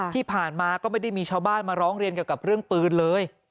ที่ผ่านมาก็ไม่ได้มีชาวบ้านมาร้องเรียนเกี่ยวกับเรื่องปืนเลย